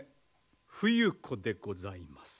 冬子でございます。